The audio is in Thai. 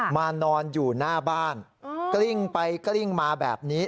นอนอยู่หน้าบ้านกลิ้งไปกลิ้งมาแบบนี้